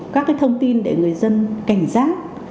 các cái thông tin để người dân cảnh giác